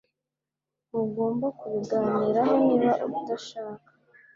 Ntugomba kubiganiraho niba udashaka